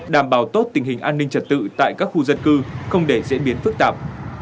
đảm bảo tốt tình hình an ninh trật tự tại các khu dân cư không để diễn biến phức tạp